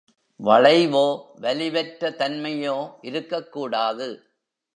வளைவோ, வலிவற்றதன்மையோ இருக்கக் கூடாது.